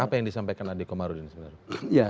apa yang disampaikan ade komarudin sebenarnya